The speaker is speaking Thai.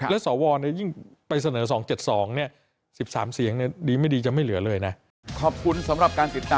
แล้วสอวรเนี่ยยิ่งไปเสนอสองเจ็ดสองเนี่ย๑๓เสียงเนี่ยดีไม่ดีจะไม่เหลือเลยนะ